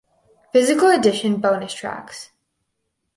Physical edition bonus tracks